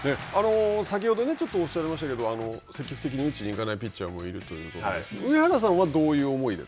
先ほどちょっとおっしゃいましたけど、積極的に打ちにいかないピッチャーもいるということで、上原さんはどういう思いで。